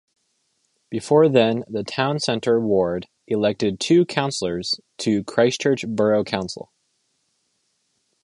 Before then the Town Centre ward elected two councillors to Christchurch Borough Council.